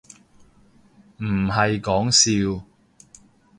唔係講笑